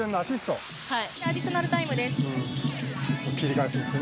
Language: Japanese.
アディショナルタイムです。